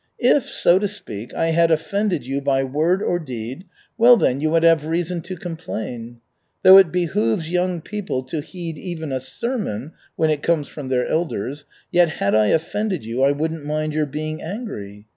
If, so to speak, I had offended you by word or deed, well, then you would have reason to complain. Though it behooves young people to heed even a sermon when it comes from their elders, yet had I offended you, I wouldn't mind your being angry.